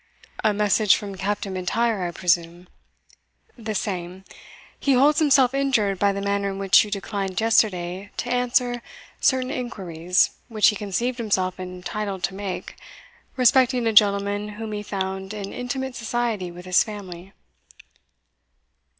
"A message from Captain M'Intyre, I presume?" "The same. He holds himself injured by the manner in which you declined yesterday to answer certain inquiries which he conceived himself entitled to make respecting a gentleman whom he found in intimate society with his family."